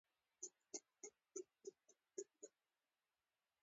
سهار ورزش کول روغتیا ته ګټه لري.